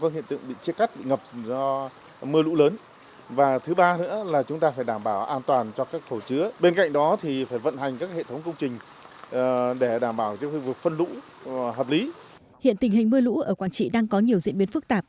hiện tình hình mưa lũ ở quảng trị đang có nhiều diễn biến phức tạp